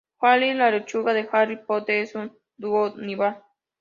Hedwig, la lechuza de Harry Potter, es un búho nival.